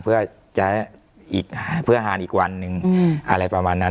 เพื่อหารอีกวันนึงอะไรประมาณนั้น